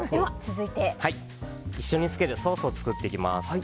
一緒につけるソースを作っていきます。